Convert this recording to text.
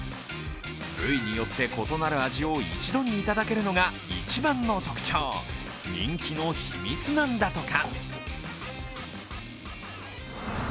部位によって異なる味を一度にいただけるのが一番の特徴、人気の秘密なんだとか。